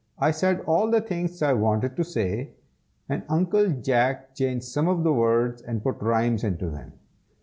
I said all the things I wanted to say, and Uncle Jack changed some of the words, and put rhymes into them.